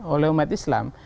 oleh umat islam